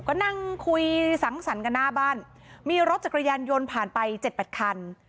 ก็นั่งคุยสังสรรค์กันหน้าบ้านมีรถจักรยานยนต์ผ่านไปเจ็ดแปดคัน